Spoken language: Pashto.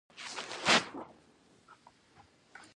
پر دې مسایلو فکر وکړي